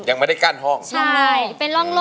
ยังไม่ได้กั้นห้อง